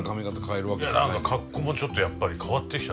いや何か格好もちょっとやっぱり変わってきた。